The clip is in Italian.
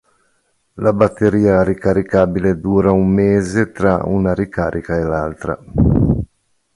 La batteria ricaricabile dura un mese tra una ricarica e l'altra.